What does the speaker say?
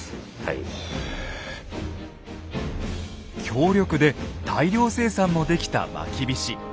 強力で大量生産もできたまきびし。